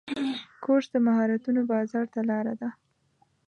کورس د مهارتونو بازار ته لاره ده.